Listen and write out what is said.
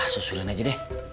susulan aja deh